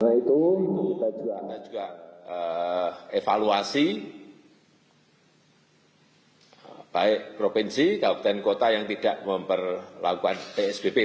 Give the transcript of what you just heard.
kita juga evaluasi baik provinsi kabupaten kota yang tidak memperlakukan psbb